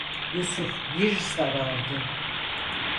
Yusuf bir sarardı.